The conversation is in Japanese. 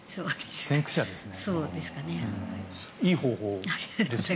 先駆者ですね。